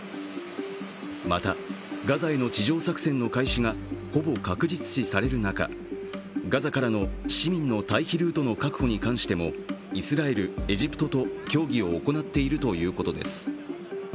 また、ガザへの地上作戦の開始がほぼ確実視される中、ガザからの市民の退避ルートの確保に関してもイスラエル、エジプトと協議を行っているということです。